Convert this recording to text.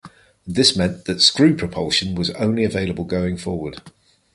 This meant that screw propulsion was only available going forward.